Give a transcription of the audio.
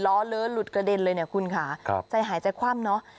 ล้อเลอหลุดกระเด็นเลยเนี่ยคุณค่ะใจหายใจคว่ำเนอะ